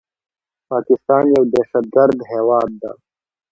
پاکستان يو دهشتګرد هيواد ده